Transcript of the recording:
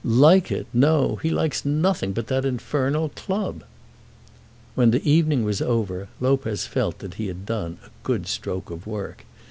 "Like it! No. He likes nothing but that infernal club." When the evening was over Lopez felt that he had done a good stroke of work.